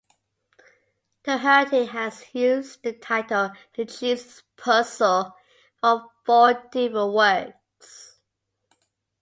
Doherty has used the title "The Jesus Puzzle" for four different works.